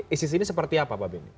isis ini seperti apa pak beni